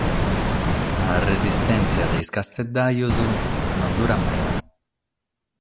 Sa resistèntzia de sos casteddajos non durat meda.